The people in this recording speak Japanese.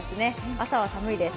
朝は寒いです。